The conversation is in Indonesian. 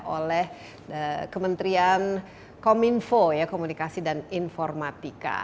oleh kementerian kominfo ya komunikasi dan informatika